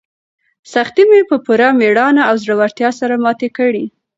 سختۍ مې په پوره مېړانه او زړورتیا سره ماتې کړې.